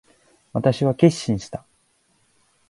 私は決心した。